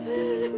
jangan bawa aku